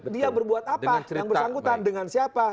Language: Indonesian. dia berbuat apa yang bersangkutan dengan siapa